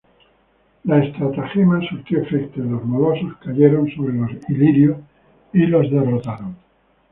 La estratagema surtió efecto y los molosos cayeron sobre los ilirios y los derrotaron.